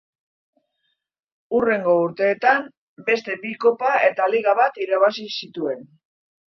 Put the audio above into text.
Hurrengo urteetan beste bi kopa eta liga bat irabazi zituen.